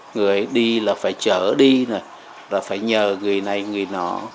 người đi là phải chở đi là phải nhờ người này người nọ